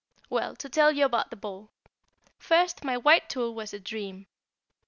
Well, to tell you about the ball. First my white tulle was a dream.